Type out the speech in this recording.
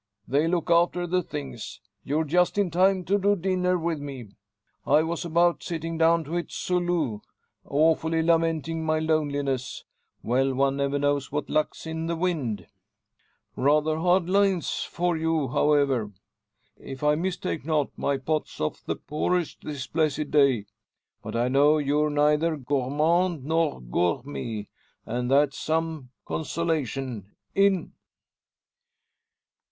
They'll look after the things. You're just in time to do dinner with me. I was about sitting down to it solus, awfully lamenting my loneliness. Well; one never knows what luck's in the wind. Rather hard lines for you, however. If I mistake not, my pot's of the poorest this blessed day. But I know you're neither gourmand nor gourmet; and that's some consolation. In!"